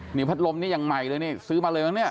นี่พัดลมนี่ยังใหม่เลยนี่ซื้อมาเลยมั้งเนี่ย